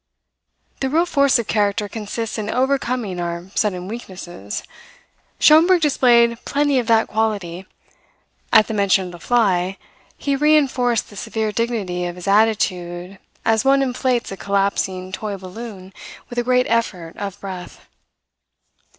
If real force of character consists in overcoming our sudden weaknesses, Schomberg displayed plenty of that quality. At the mention of the fly, he re enforced the severe dignity of his attitude as one inflates a collapsing toy balloon with a great effort of breath.